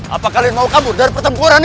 apakah kalian mau kabur dari pertempuran ini